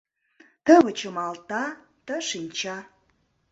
Ты вычымалта, ты шинча.